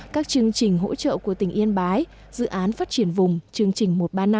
các chương trình hỗ trợ của tỉnh yên bái dự án phát triển vùng chương trình một ba năm